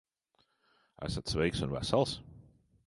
Esat sveiks un vesels?